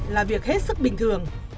là việc hết sức bình thường